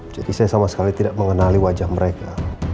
jadi saya sama sekali tidak mengenali wajah mereka